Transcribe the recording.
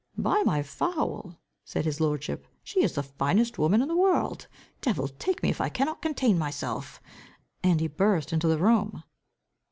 "By my foul!" said his lordship, "she is the finest woman in the world. Devil take me, if I can contain myself," and he burst into the room.